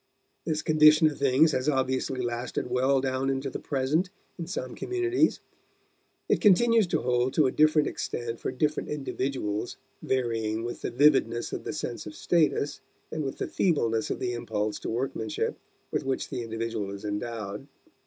This condition of things has obviously lasted well down into the present in some communities. It continues to hold to a different extent for different individuals, varying with the vividness of the sense of status and with the feebleness of the impulse to workmanship with which the individual is endowed.